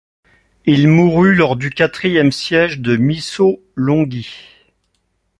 Il mourut lors du quatrième siège de Missolonghi.